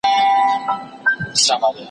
پروګرامونه د خلګو د مرستې لپاره دي.